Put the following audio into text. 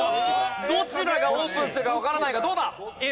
どちらがオープンするかわからないがどうだ？